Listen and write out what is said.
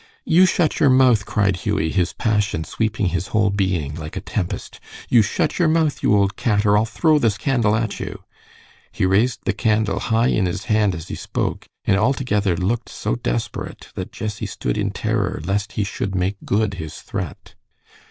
"You shut your mouth!" cried Hughie, his passion sweeping his whole being like a tempest. "You shut your mouth, you old cat, or I'll throw this candle at you." He raised the candle high in his hand as he spoke, and altogether looked so desperate that Jessie stood in terror lest he should make good his threat.